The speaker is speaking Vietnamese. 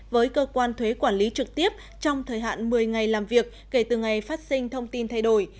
với cơ quan thuế quản lý trực tiếp trong thời hạn một mươi ngày làm việc kể từ ngày phát sinh thông tin thay đổi